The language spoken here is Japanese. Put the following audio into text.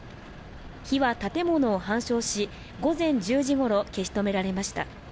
火は建物を半焼し、午前１０時ごろ消し止められました。